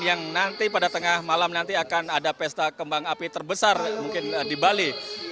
yang nanti pada tengah malam nanti akan ada pesta kembang api terbesar mungkin di bali